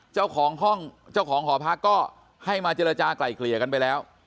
เจ้าของห้องเจ้าของหอพักก็ให้มาเจรจากลายเกลี่ยกันไปแล้ว